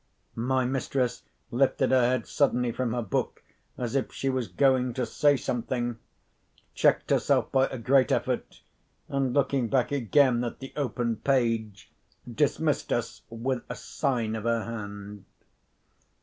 My mistress lifted her head suddenly from her book as if she was going to say something—checked herself by a great effort—and, looking back again at the open page, dismissed us with a sign of her hand.